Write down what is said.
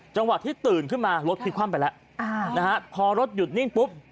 จังหวะที่ตื่นขึ้นมารถพลิกคว่ำไปแล้วพอรถหยุดนิ่งปุ๊บ